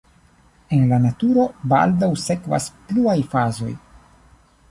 En la naturo baldaŭ sekvas pluaj fazoj.